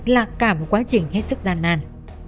là cả một quá trình hết sức gian nàn